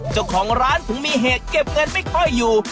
เจ้าของร้านถึงมีเหตุเก็บเงินไม่ค่อยอยู่